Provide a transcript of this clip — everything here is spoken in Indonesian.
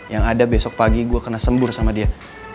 yang ada besok pagi gue kena sembur sama dia